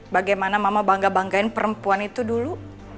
bagaimana mama bangga banggain perempuan itu dulu